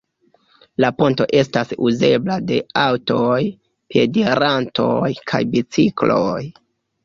La ponto estas uzebla de aŭtoj, piedirantoj kaj bicikloj.